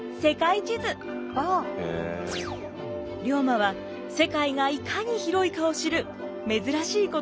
龍馬は世界がいかに広いかを知る珍しい子どもでした。